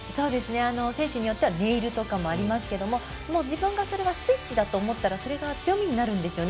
選手によってはネイルとかありますけど自分がそれをスイッチだと思ったらそれが強みになるんですね。